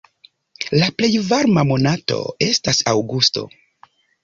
La plej varma monato estas aŭgusto.